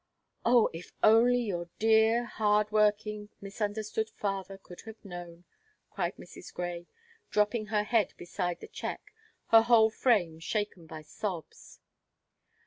"Oh, if only your dear, hard working, misunderstood father could have known!" cried Mrs. Grey, dropping her head beside the check, her whole frame shaken by sobs.